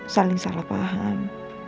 saling salah paham